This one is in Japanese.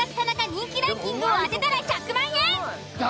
人気ランキングを当てたら１００万円！